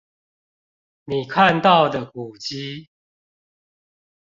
你看到的古蹟